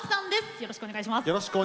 よろしくお願いします。